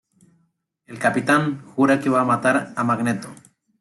El capitán jura que va matar a magneto.